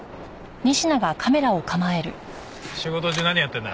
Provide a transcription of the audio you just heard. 仕事中何やってんだ？